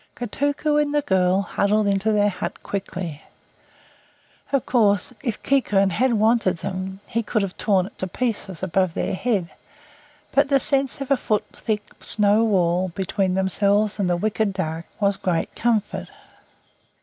Kotuko and the girl huddled into their hut quickly. Of course if Quiquern had wanted them, he could have torn it to pieces above their heads, but the sense of a foot thick snow wall between themselves and the wicked dark was great comfort.